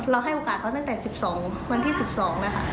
ให้โอกาสเขาตั้งแต่๑๒วันที่๑๒นะคะ